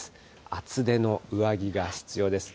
厚手の上着が必要です。